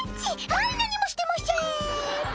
「はい何もしてましぇん」